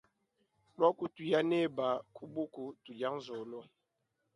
Luaku tuya neba ku buku tudia nzolo.